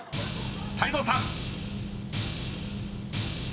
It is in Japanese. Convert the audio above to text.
［泰造さん］